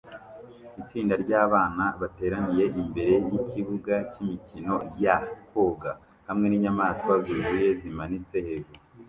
Itsinda ryabana bateraniye imbere yikibuga cyimikino ya koga hamwe ninyamaswa zuzuye zimanitse hejuru